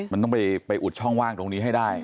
มันต้องไปอุดช่องว่างตรงนี้ให้ได้